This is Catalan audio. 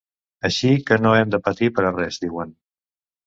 Així que no hem de patir per a res, diuen.